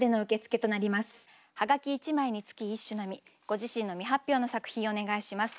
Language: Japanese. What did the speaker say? ご自身の未発表の作品をお願いします。